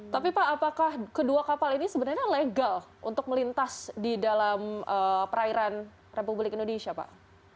tapi pak apakah kedua kapal ini sebenarnya legal untuk melintas di dalam perairan republik indonesia pak